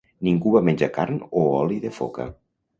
Ningú va menjar carn o oli de foca.